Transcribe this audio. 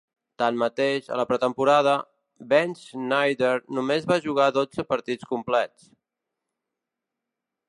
Tanmateix, a la pretemporada, Benschneider només va jugar dotze partits complets.